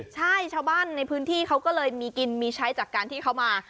ใช่ชาวบ้านในพื้นที่เขาก็เลยมีกินมีใช้จากการที่เขามา